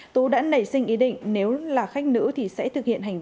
tú đã nảy sinh ý định nếu là khách nữ thì sẽ thực hiện hành vi